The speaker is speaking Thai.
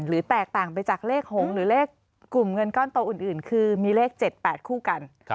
แตกต่างไปจากเลข๖หรือเลขกลุ่มเงินก้อนโตอื่นคือมีเลข๗๘คู่กัน